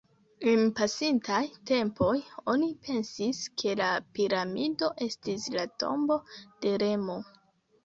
En pasintaj tempoj oni pensis ke la piramido estis la tombo de Remo.